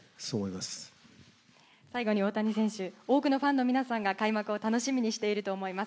最後に大谷選手、多くのファンの皆さんが開幕を楽しみにしていると思います。